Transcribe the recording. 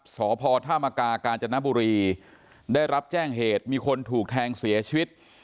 สพเที่ยวได้รับแจ้งเหตุมีคนถูกแทงเสียชีวิต